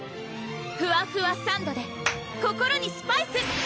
ふわふわサンドｄｅ心にスパイス！